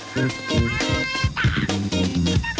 คุยกันสองคน